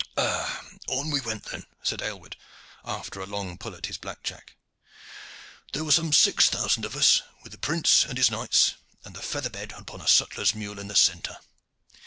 "On we went then," said Aylward, after a long pull at his blackjack. "There were some six thousand of us, with the prince and his knights, and the feather bed upon a sutler's mule in the centre.